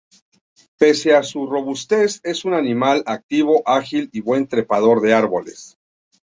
Pese a su robustez es un animal activo, ágil y buen trepador de árboles.